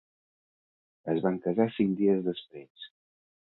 Es van casar cinc dies després.